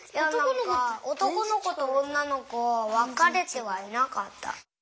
おとこのことおんなのこわかれてはいなかった。